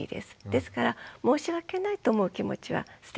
ですから申し訳ないと思う気持ちは捨てていいんです。